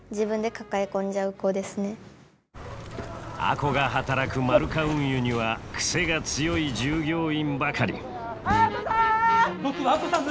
亜子が働くマルカ運輸には癖が強い従業員ばかり亜子さん！